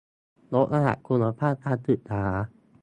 ยกระดับคุณภาพการศึกษา